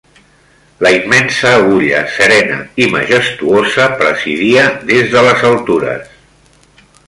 La immensa agulla, serena i majestuosa, presidia des de les altures